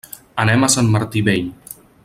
Anem a Sant Martí Vell.